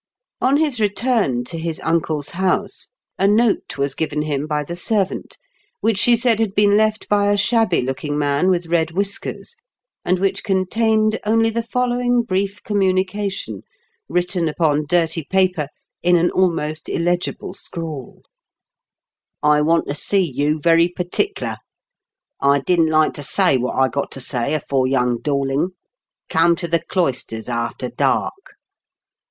On his return to his uncle's house a note was given him by the servant, which she said had been left by a shabby looking man with red whiskers, and which con tained only the following brief communi cation, written upon dirty paper in an almost illegible scrawl :'* I wont to se you verry partikler. I dident like to say wot I got to say afore yung Dorling. Cum to the cloysters after dark.